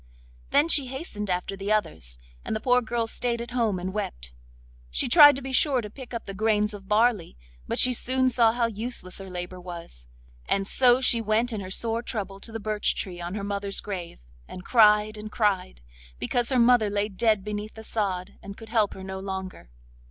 Then she hastened after the others, and the poor girl stayed at home and wept. She tried to be sure to pick up the grains of barley, but she soon saw how useless her labour was; and so she went in her sore trouble to the birch tree on her mother's grave, and cried and cried, because her mother lay dead beneath the sod and could help her no longer.